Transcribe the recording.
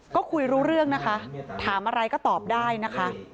ก็คุยรู้เรื่องนะคะถามอะไรก็ตอบได้นะคะ